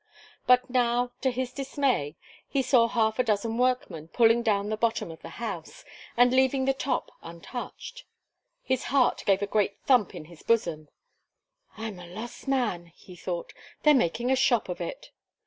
But now, to his dismay, he saw half a dozen workmen pulling down the bottom of the house, and leaving the top untouched. His heart gave a great thump in his bosom. "I'm a lost man," he thought, "they're making a shop of it."